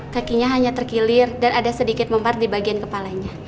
kakinya hanya terkilir dan ada sedikit mempar di bagian kepalanya